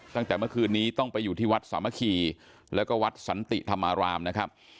ตั้งแต่เมื่อคืนนี้ต้องไปอยู่ที่วัดสามัคคีแล้วก็วัดสันติธรรมารามนะครับ